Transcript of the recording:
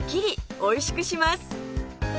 おいしくします